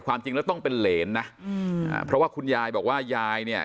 ความจริงแล้วต้องเป็นเหรนนะอืมอ่าเพราะว่าคุณยายบอกว่ายายเนี่ย